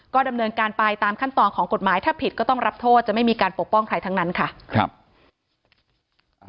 ก็ดำเนินการไปตามขั้นตอนของกฎหมายถ้าผิดก็ต้องรับโทษจะไม่มีการปกป้องใครทั้งนั้นค่ะ